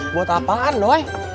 buat apaan doi